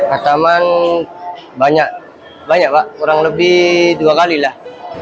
ataman banyak banyak pak kurang lebih dua kali lah